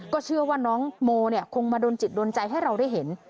เชื่อว่าน้องโมคงมาโดนจิตโดนใจให้เราได้เห็น